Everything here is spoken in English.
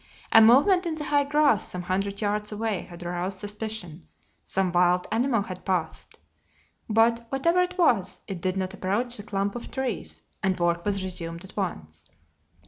A movement in the high grass some hundred yards away had aroused suspicion; some wild animal had passed, but, whatever it was, it did not approach the clump of trees and work was resumed at once.